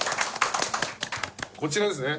こちらですね。